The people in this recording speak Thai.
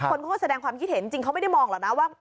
คนเขาก็แสดงความคิดเห็นจริงเขาไม่ได้มองหรอกนะว่า